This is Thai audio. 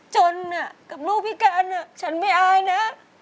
จนกับลูกพิการฉันไม่อายนะ